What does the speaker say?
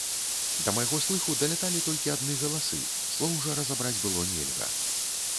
Да майго слыху даляталі толькі адны галасы, слоў жа разабраць было нельга.